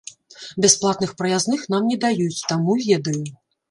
Бясплатных праязных нам не даюць, таму ведаю.